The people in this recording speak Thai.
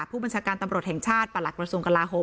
ผู้บัญชาการตำรวจแห่งชาติประหลักกระทรวงกลาโหม